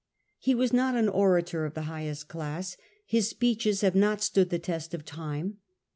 He was not an orator of the highest class : his speeches have not stood the test of time.